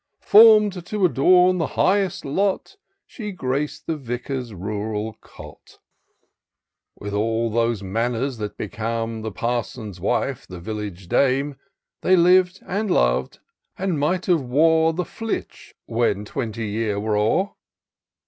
Form'd to adorn the highest lot, She graced the Vicar's rural cot, With all those manners that became The parson's wife, the village dame. They liv'd and lov'd — and might have wor The Flitch, when twenty years were o'er.